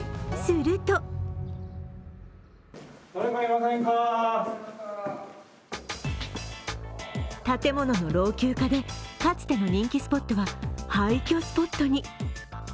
すると建物の老朽化でかつての人気スポットは廃虚スポットに。